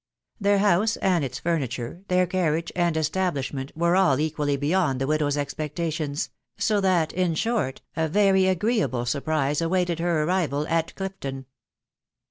Their house and its furniture, their carriage and establishment, were all equally beyond the widow's expectations, so that, in short, a very agreeable surprise awaited her arrival at Clifton.